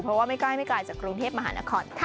เพราะว่าไม่ใกล้ไม่ไกลจากกรุงเทพมหานครค่ะ